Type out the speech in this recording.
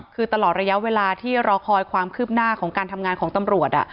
คือตลอดระยะเวลาที่รอคอยความคืบหน้าของการทำงานของตำรวจ